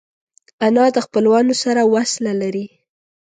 انا د خپلوانو سره وصله لري